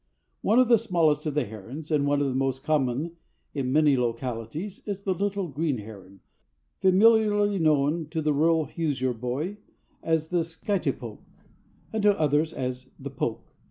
One of the smallest of the herons, and one of the most common in many localities, is the Little Green Heron, familiarly known to the rural Hoosier boy as the "Schytepoke," and to others as the "Poke."